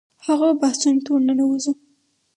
هغو بحثونو ته ورننوځو.